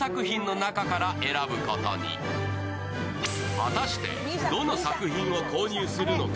果たしてどの作品を購入するのか。